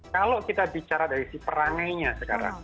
kalau kita bicara dari si perangainya sekarang